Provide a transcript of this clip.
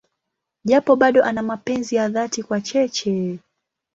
Japo bado ana mapenzi ya dhati kwa Cheche.